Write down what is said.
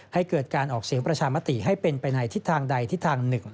ให้เกิดการออกเสียงประชามติให้เป็นไปในทิศทางใดทิศทาง๑